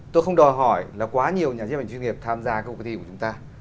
tôi không đòi hỏi là quá nhiều nhà diết chuyên nghiệp tham gia các cuộc thi của chúng ta